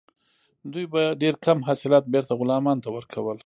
دوی به ډیر کم حاصلات بیرته غلامانو ته ورکول.